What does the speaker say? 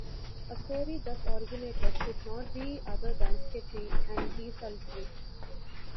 A story thus originated could not be other than sketchy and desultory.